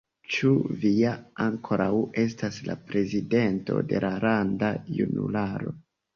Ĉu vi ja ankoraŭ estas la prezidento de la landa junularo?